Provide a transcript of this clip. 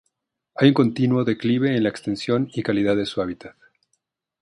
Hay un continuo declive en la extensión y calidad de su hábitat.